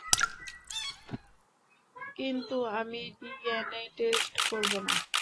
কিন্তু আমি DNA test করবো না।